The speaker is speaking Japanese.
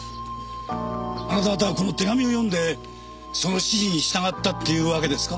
あなた方はこの手紙を読んでその指示に従ったっていうわけですか？